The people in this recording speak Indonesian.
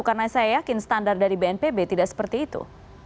karena saya yakin standar dari bnpb tidak seperti itu